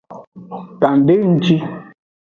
Kan de nji.